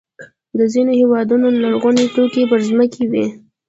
د ځینو هېوادونو لرغوني توکي پر ځمکې وي.